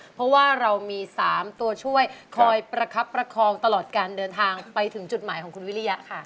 เพราะว่าเรามี๓ตัวช่วยคอยประคับประคองตลอดการเดินทางไปถึงจุดหมายของคุณวิริยะค่ะ